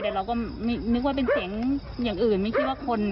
แต่เราก็นึกว่าเป็นเสียงอย่างอื่นไม่คิดว่าคน